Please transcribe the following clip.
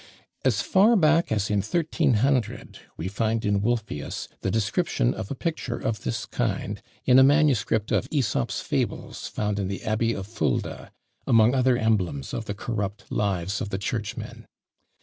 As far back as in 1300, we find in Wolfius the description of a picture of this kind, in a MS. of Æsop's Fables found in the Abbey of Fulda, among other emblems of the corrupt lives of the churchmen.